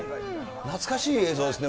懐かしい映像ですね。